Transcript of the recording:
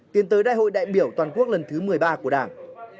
tiến tới đại hội đại biểu toàn quốc lần thứ một mươi ba của đảng